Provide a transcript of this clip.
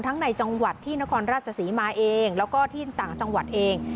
ในจังหวัดที่นครราชศรีมาเองแล้วก็ที่ต่างจังหวัดเอง